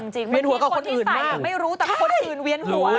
จริงเวียนหัวกับคนที่ใส่อย่างไม่รู้แต่คนอื่นเวียนหัว